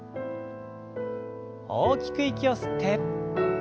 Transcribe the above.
大きく息を吸って。